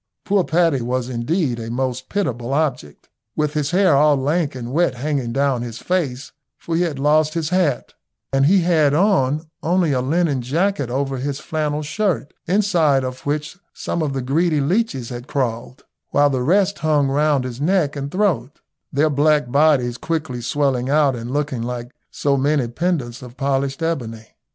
Poor Paddy was indeed a most pitiable object, with his hair all lank and wet hanging down his face, for he had lost his hat, and he had on only a linen jacket over his flannel shirt, inside of which some of the greedy leeches had crawled, while the rest hung round his neck and throat, their black bodies quickly swelling out and looking like so many pendants of polished ebony.